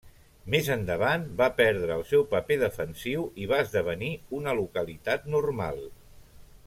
Més endavant va perdre el seu paper defensiu i va esdevenir una localitat normal.